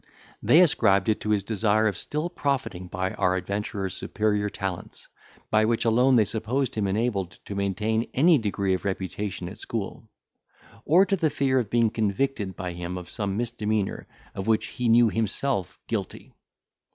They ascribed it to his desire of still profiting by our adventurer's superior talents, by which alone they supposed him enabled to maintain any degree of reputation at school; or to the fear of being convicted by him of some misdemeanour of which he knew himself guilty.